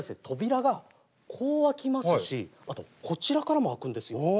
扉がこう開きますしあとこちらからも開くんですよ。